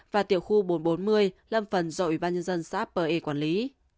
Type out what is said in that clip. và tiểu khu bốn trăm bốn mươi lâm phần dội ban nhân dân xã bờ ê quản lý